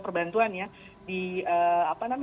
pelabuhan perbantuan ya